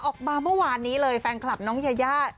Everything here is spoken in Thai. ออกมาเมื่อวานนี้เลยแฟนคลับน้องยายา